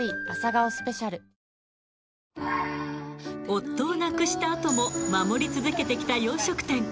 ［夫を亡くした後も守り続けてきた洋食店］